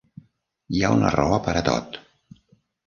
Hi ha una raó per a tot.